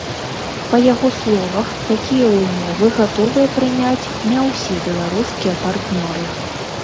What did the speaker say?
Па яго словах, такія ўмовы гатовыя прыняць не ўсе беларускія партнёры.